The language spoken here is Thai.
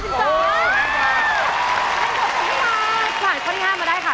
แพงกว่าไม่ได้ผ่านข้อที่๕มาได้ค่ะ